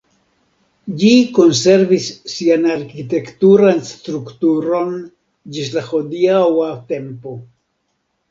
Ĝi konservis sian arkitektan strukturon ĝis la hodiaŭa tempo.